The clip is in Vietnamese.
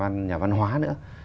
thậm chí là những nhà văn hóa nữa